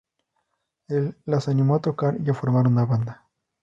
El las animó a tocar y a formar una banda.